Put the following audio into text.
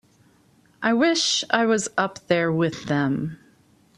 I wish I was up there with them.